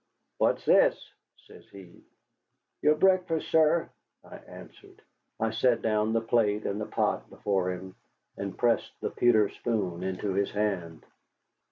"What's this?" says he. "Your breakfast, sir," I answered. I set down the plate and the pot before him and pressed the pewter spoon into his hand.